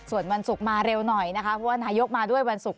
ส่วนวันศุกร์มาเร็วหน่อยนะคะเพราะว่านายกมาด้วยวันศุกร์